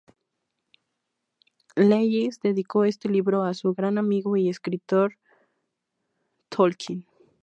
Lewis dedicó este libro a su gran amigo y escritor J. R. R. Tolkien.